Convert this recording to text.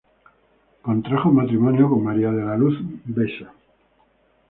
Contrajo matrimonio con María de la Luz Besa.